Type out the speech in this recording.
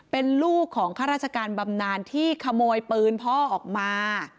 เป็นลูกของข้าราชการบำนานที่ขโมยปืนพ่อออกมา